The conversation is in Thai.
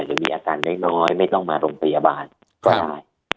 หรือมีอาการน้อยไม่ต้องมาโรงพยาบาลก็ได้